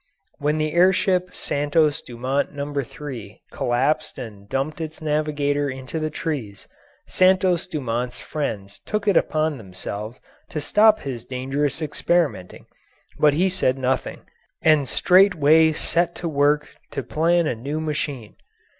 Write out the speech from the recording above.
When the air ship "Santos Dumont No. 3" collapsed and dumped its navigator into the trees, Santos Dumont's friends took it upon themselves to stop his dangerous experimenting, but he said nothing, and straightway set to work to plan a new machine.